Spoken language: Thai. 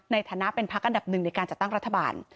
ในฐานะเป็นภักดิ์อันดับ๑ในการจะตั้งรัฐบาล